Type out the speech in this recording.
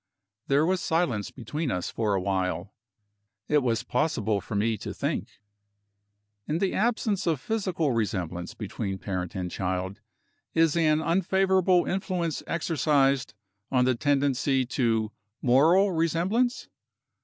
There was silence between us for a while. It was possible for me to think. In the absence of physical resemblance between parent and child, is an unfavorable influence exercised on the tendency to moral resemblance?